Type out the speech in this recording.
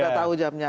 sudah tahu jamnya